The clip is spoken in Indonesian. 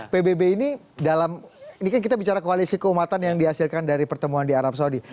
pbb ini dalam ini kan kita bicara koalisi keumatan yang dihasilkan dari pertemuan di arab saudi